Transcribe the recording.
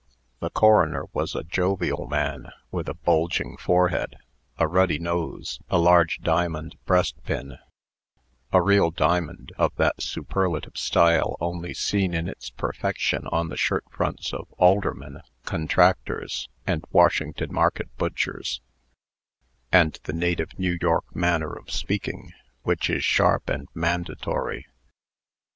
The coroner was a jovial man, with a bulging forehead, a ruddy nose, a large diamond breastpin (a real diamond, of that superlative style only seen in its perfection on the shirt fronts of aldermen, contractors, and Washington Market butchers), and the native New York manner of speaking, which is sharp and mandatory.